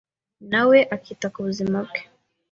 na we akita ku buzima bwabo